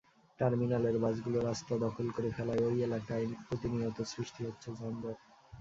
টার্মিনালের বাসগুলো রাস্তা দখল করে ফেলায় ওই এলাকায় প্রতিনিয়ত সৃষ্টি হচ্ছে যানজটের।